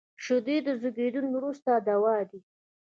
شیدې د زیږون وروسته دوا دي